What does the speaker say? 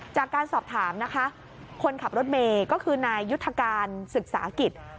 จากการสอบถามนะคะคนขับรถเมย์ก็คือนายยุทธการศึกษากิจ